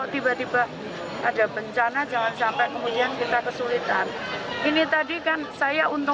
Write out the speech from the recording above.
tiba tiba ada bencana jangan sampai kemudian kita kesulitan